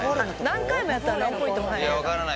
何回もやったら何ポイントも入るのかな？